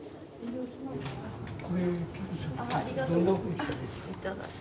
ありがとうございます。